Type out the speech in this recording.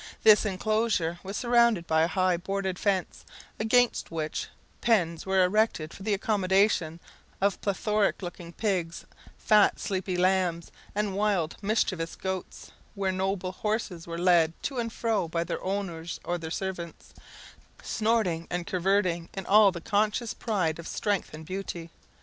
This inclosure was surrounded by a high boarded fence, against which pens were erected for the accommodation of plethoric looking pigs, fat sleepy lambs, and wild mischievous goats; while noble horses were led to and fro by their owners or their servants, snorting and curveting in all the conscious pride of strength and beauty.